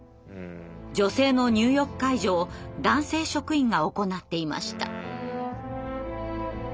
女性の入浴介助を男性職員が行っていました。